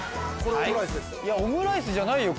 オムライスじゃないよ